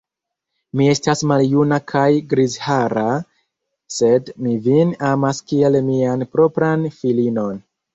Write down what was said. Mi estas maljuna kaj grizhara, sed mi vin amas kiel mian propran filinon.